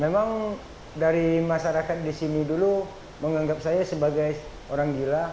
memang dari masyarakat di sini dulu menganggap saya sebagai orang gila